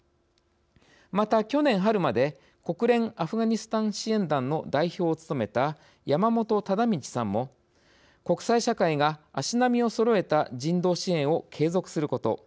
また、去年春まで国連アフガニスタン支援団の代表を務めた山本忠通さんも「国際社会が足並みをそろえた人道支援を継続すること。